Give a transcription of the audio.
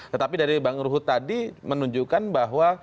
tetapi dari bang ruhut tadi menunjukkan bahwa